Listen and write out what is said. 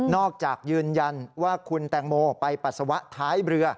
จากยืนยันว่าคุณแตงโมไปปัสสาวะท้ายเรือ